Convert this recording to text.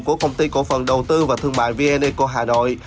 của công ty cổ phần đầu tư và thương mại vneco hà nội